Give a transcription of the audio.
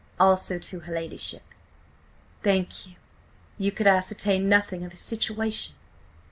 Also to her ladyship." "Thank you. ... You could–ascertain nothing of his situation?